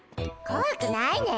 こわくないね。